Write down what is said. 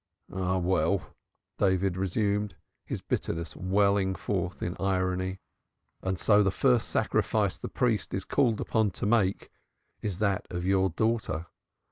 "Ah well," David resumed, his bitterness welling forth in irony. "And so the first sacrifice the priest is called upon to make is that of your daughter.